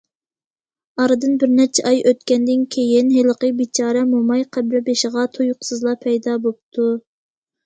ئارىدىن بىر نەچچە ئاي ئۆتكەندىن كېيىن ھېلىقى« بىچارە موماي» قەبرە بېشىغا تۇيۇقسىزلا پەيدا بوپتۇ.